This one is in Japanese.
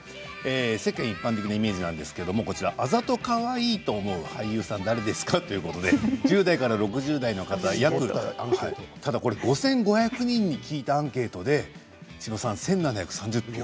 世間一般的なイメージなんですがあざとかわいいと思う俳優さん誰ですか？ということで１０代から６０代の方ただこれ５５００人に聞いたアンケートで千葉さん１７３０票。